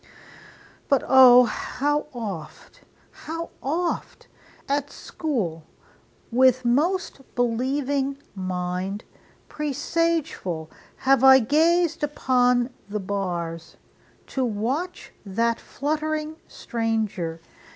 But O! how oft, How oft, at school, with most believing mind, Presageful, have I gazed upon the bars, To watch that fluttering stranger!